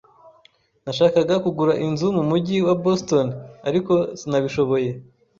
Nashakaga kugura inzu mu mujyi wa Boston, ariko sinabishoboye.